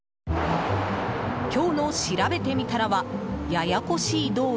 今日のしらべてみたらはややこしい道路。